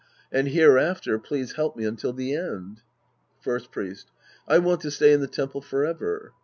And hereafter please help me until the end. First Priest. I want to stay in the temple forever.